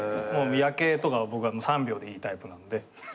夜景とかは僕は３秒でいいタイプなので。